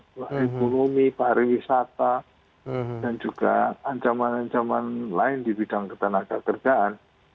pahara ekonomi pahara wisata dan juga ancaman ancaman lain di bidang ketanaga kerjaan